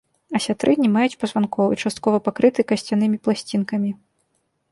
Асятры не маюць пазванкоў і часткова пакрыты касцянымі пласцінкамі.